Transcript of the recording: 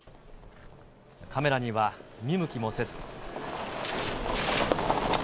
カメラには見向きもせず。